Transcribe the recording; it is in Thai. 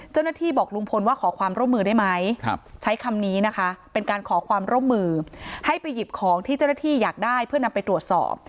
เจ้าหน้าที่บอกลุงพลว่าขอความร่วมมือได้ไหมใช้คำนี้นะคะเป็นการขอความร่วมมือให้ไปหยิบของที่เจ้าหน้าที่อยากได้เพื่อนำไปตรวจสอบ